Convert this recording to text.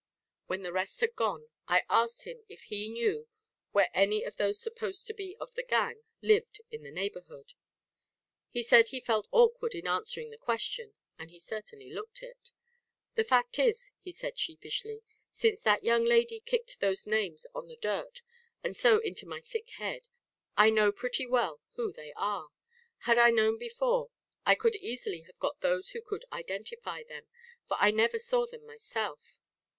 When the rest had gone, I asked him if he knew where any of those supposed to be of the gang lived in the neighbourhood. He said he felt awkward in answering the question, and he certainly looked it. "The fact is," he said sheepishly, "since that young lady kicked those names on the dirt, and so into my thick head, I know pretty well who they are. Had I known before, I could easily have got those who could identify them; for I never saw them myself.